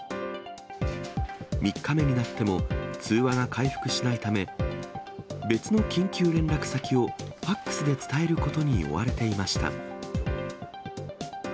３日目になっても、通話が回復しないため、別の緊急連絡先をファックスで伝えることに追われていました。